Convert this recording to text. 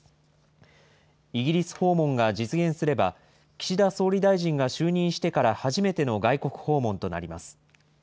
イギリス訪問が実現すれば、岸田総理大臣が就任してから初めての外国訪問となります。